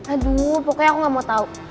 aduh pokoknya aku gak mau tahu